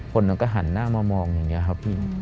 คนนั้นก็หันหน้ามามองอย่างนี้ครับพี่